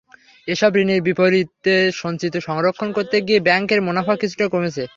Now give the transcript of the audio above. এসব ঋণের বিপরীতে সঞ্চিতি সংরক্ষণ করতে গিয়ে ব্যাংকের মুনাফা কিছুটা কমেছে।